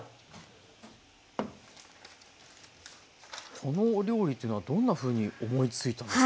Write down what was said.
このお料理っていうのはどんなふうに思いついたんですか？